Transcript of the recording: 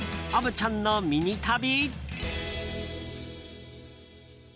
虻ちゃんのミニ旅。